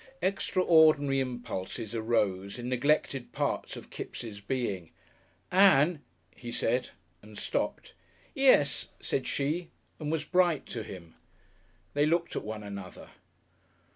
Extraordinary impulses arose in neglected parts of Kipps' being. "Ann," he said and stopped. "Yes," said she, and was bright to him. They looked at one another.